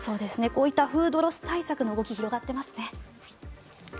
こういったフードロス対策の動き広がってますね。